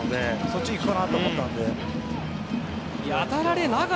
そっちに行くかなと思ったんですが。